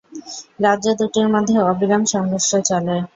রাজ্য দুটির মধ্যে অবিরাম সংঘর্ষ চলে।